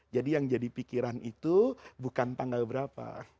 jadi yang jadi pikiran itu bukan tanggal berapa